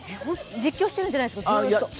実況してるんじゃないですか、ずっと？